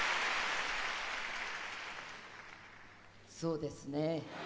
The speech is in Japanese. そうですね